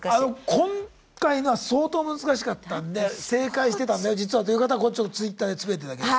今回のは相当難しかったんで「正解してたんだよ実は」という方はこれちょっとＴｗｉｔｔｅｒでつぶやいていただければ。